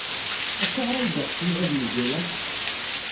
Acuɣer ay yeɣs Yuba ad yeg aya?